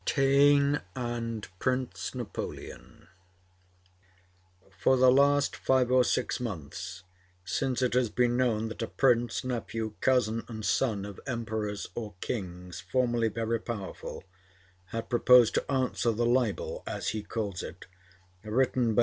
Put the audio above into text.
TAINE AND PRINCE NAPOLEON For the last five or six months, since it has been known that a prince, nephew, cousin, and son of emperors or kings formerly very powerful, had proposed to answer the libel, as he calls it, written by M.